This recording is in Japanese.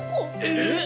えっ？